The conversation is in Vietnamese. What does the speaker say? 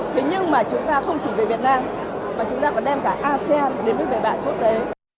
thế nhưng mà chúng ta không chỉ về việt nam mà chúng ta còn đem cả asean đến với bạn quốc tế